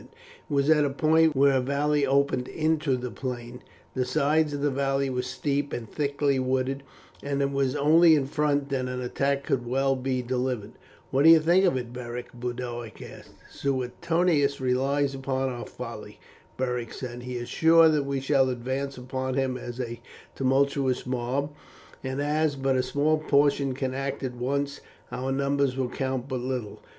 It was at a point where a valley opened into the plain; the sides of the valley were steep and thickly wooded, and it was only in front that an attack could well be delivered. "What think you of it, Beric?" Boduoc asked. "Suetonius relies upon our folly," Beric said; "he is sure that we shall advance upon him as a tumultous mob, and as but a small portion can act at once our numbers will count but little.